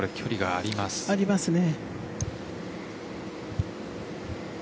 ありますね。